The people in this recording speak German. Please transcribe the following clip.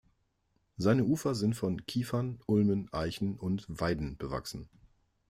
Seine Ufer sind von Kiefern, Ulmen, Eichen und Weiden bewachsen.